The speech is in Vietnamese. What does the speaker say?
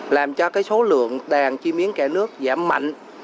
làm cho cái số lượng đàn chim yến cả nước giảm mạnh